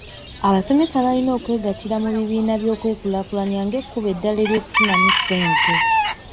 Abasomesa balina okwegattira mu bibiina by'okwekulaakulanya ng'ekkubo eddala ery'okufunamu ssente.